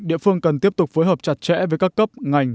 địa phương cần tiếp tục phối hợp chặt chẽ với các cấp ngành